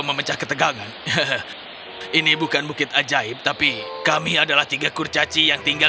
memecah ketegangan ini bukan bukit ajaib tapi kami adalah tiga kurcaci yang tinggal